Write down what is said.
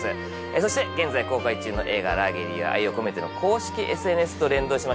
そして現在公開中の映画「ラーゲリより愛を込めて」の公式ＳＮＳと連動しました